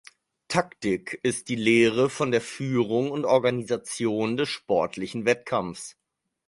Taktik ist die Lehre von der Führung und Organisation des sportlichen Wettkampfs.